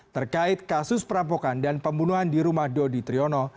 terkait kasus perampokan dan pembunuhan di rumah dodi triyono